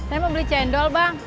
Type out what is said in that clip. saya mau beli cendol bang